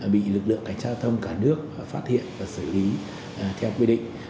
bị lực lượng cảnh sát giao thông cả nước phát hiện và xử lý theo quy định